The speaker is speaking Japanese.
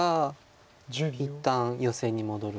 一旦ヨセに戻るかです。